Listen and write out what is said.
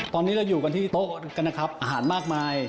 ตอนนี้เราอยู่กันที่โต๊ะกันนะครับอาหารมากมาย